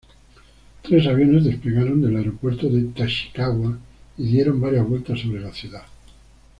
Tres aviones despegaron del aeropuerto de Tachikawa y dieron varias vueltas sobre la ciudad.